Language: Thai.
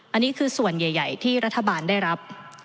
อันนี้คือส่วนใหญ่ที่รัฐบาลได้รับ